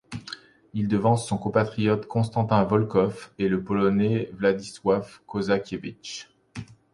Il devance son compatriote Konstantin Volkov et le polonais Władysław Kozakiewicz.